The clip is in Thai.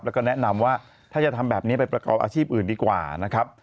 แล้วก็แนะนำว่าถ้าจะทำแบบนี้ไปประกอบอาชีพอื่นดีกว่านะครับ